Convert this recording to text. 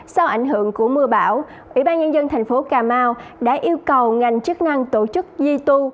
sau ảnh hưởng của mưa bão ủy ban nhân dân thành phố cà mau đã yêu cầu ngành chức năng tổ chức di tu